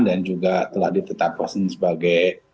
dan juga telah ditetapkan sebagai